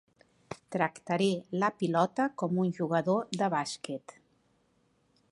Tractaré la pilota com un jugador de bàsquet.